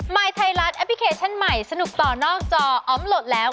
ยไทยรัฐแอปพลิเคชันใหม่สนุกต่อนอกจออมโหลดแล้ว